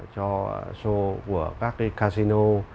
cho show của các cái casino